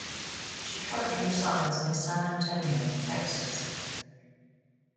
She currently resides near San Antonio, Texas.